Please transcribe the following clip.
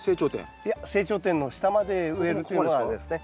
いや成長点の下まで植えるというのがあれですね。